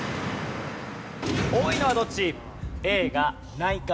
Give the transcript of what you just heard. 多いのはどっち？